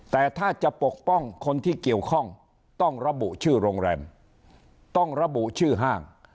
แต่ถ้าจะปกป้องคนที่เกี่ยวข้องต้องระบุชื่อโรงแรมต้องระบุชื่อห้าง